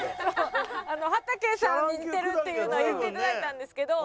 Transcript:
はたけさんに似てるっていうのは言っていただいたんですけど。